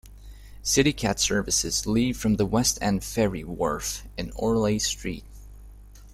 CityCat services leave from the West End ferry wharf in Orleigh Street.